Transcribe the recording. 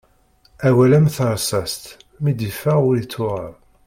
Awal am terṣast mi d-iffeɣ ur ittuɣal.